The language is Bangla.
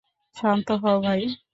শান্ত হও, ভাই।